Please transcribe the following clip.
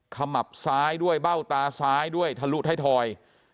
ขมับซ้ายด้วยเบ้าตาซ้ายด้วยทะลุท้ายทอย